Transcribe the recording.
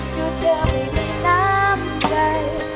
เพราะเธอไม่มีน้ำใจ